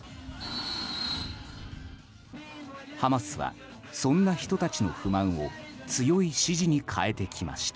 ハマスはそんな人たちの不満を強い支持に変えてきました。